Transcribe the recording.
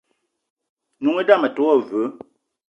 N'noung idame a te wo veu.